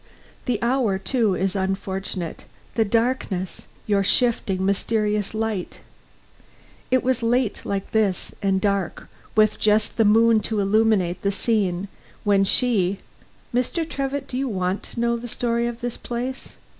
The hour, too, is unfortunate the darkness your shifting, mysterious light. It was late like this and dark with just the moon to illumine the scene, when she Mr. Trevitt, do you want to know the story of this place?